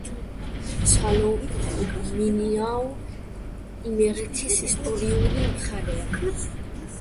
სალომინაო იმერეთის ისტორიული მხარეა.